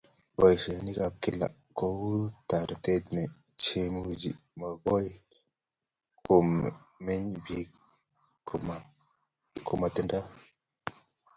Boishonik ab kila kou toretet chemuch makoi komeny biik komatindoi